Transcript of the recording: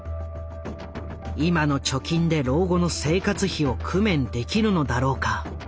「今の貯金で老後の生活費を工面できるのだろうか」。